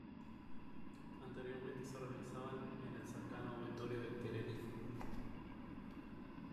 Anteriormente se realizaban en el cercano Auditorio de Tenerife.